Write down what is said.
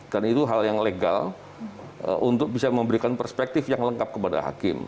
dan itu hal yang legal untuk bisa memberikan perspektif yang lengkap kepada hakim